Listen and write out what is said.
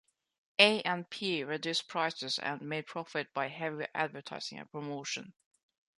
A and P reduced prices and made profit by heavy advertising and promotion.